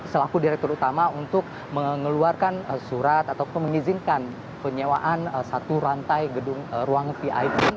selaku direktur utama untuk mengeluarkan surat ataupun mengizinkan penyewaan satu rantai gedung ruang vip